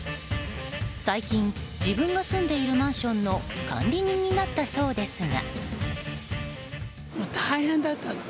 最近、自分の住んでいるマンションの管理人になったそうですが。